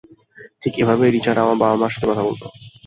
ঠিক এভাবেই রিচার্ড আমার বাবা-মায়ের সাথে কথা বলত।